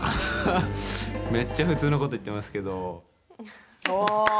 めっちゃ普通のこと言ってますけど。